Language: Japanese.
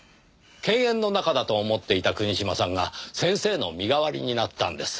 犬猿の仲だと思っていた国島さんが先生の身代わりになったんです。